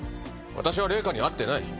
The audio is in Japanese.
私は礼香に会ってない。